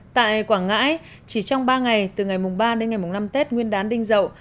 tại quảng ngãi chỉ trong ba ngày từ ngày ba đến ngày năm tết nguyên đán đinh dậu